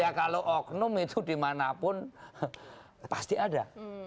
ya kalau oknum itu dimanapun pasti ada